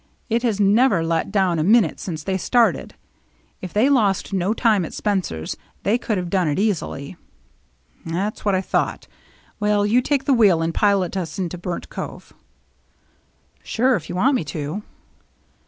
It has never let down a minute since they started. If they lost no time at Spencer's, they could have done it easily." " That's what I thought. Will you take the wheel and pilot us into Burnt Cove ?"" Sure, if you want me to."